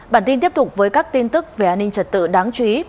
bản tin tiếp tục với các tin tức về an ninh trật tự đáng chú ý